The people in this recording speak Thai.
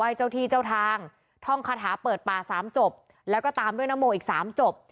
เจ้าที่เจ้าทางท่องคาถาเปิดป่าสามจบแล้วก็ตามด้วยนโมอีกสามจบ